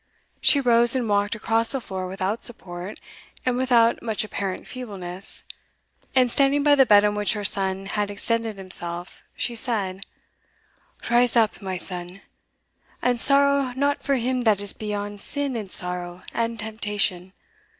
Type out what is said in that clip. She rose and walked across the floor without support, and without much apparent feebleness, and standing by the bed on which her son had extended himself, she said, "Rise up, my son, and sorrow not for him that is beyond sin and sorrow and temptation.